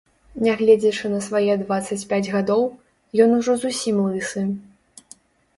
Нягледзячы на свае дваццаць пяць гадоў, ён ужо зусім лысы.